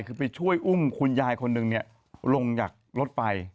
คือไปช่วยอุ้มคุณยายคนหนึ่งลงจากรถไฟ